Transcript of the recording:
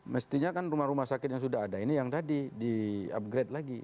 mestinya kan rumah rumah sakit yang sudah ada ini yang tadi di upgrade lagi